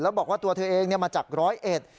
แล้วบอกว่าตัวเธอเองมาจากร้อยเอ็ด